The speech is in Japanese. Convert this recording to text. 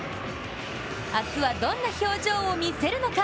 明日はどんな表情を見せるのか。